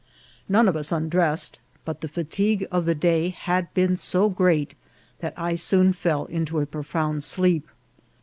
None of us undressed, but the fatigue of the day had been so great that I soon fell into a profound sleep.